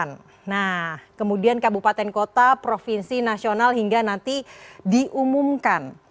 nah kemudian kabupaten kota provinsi nasional hingga nanti diumumkan